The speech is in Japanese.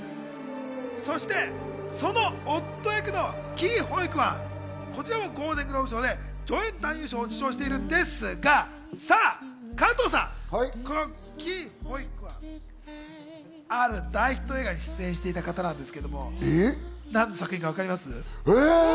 そして、その夫役のキー・ホイ・クァン、こちらもゴールデングローブ賞で助演男優賞を受賞しているんですが、加藤さん、このキー・ホイ・クァン、ある大ヒット映画に出演していた方なんですけど、何の作品か、わかります？